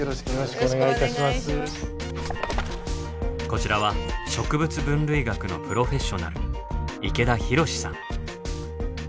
こちらは植物分類学のプロフェッショナル池田博さん。